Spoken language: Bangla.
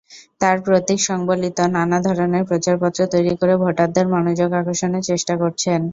তাঁরা প্রতীকসংবলিত নানা ধরনের প্রচারপত্র তৈরি করে ভোটারদের মনোযোগ আকর্ষণের চেষ্টা করছেন।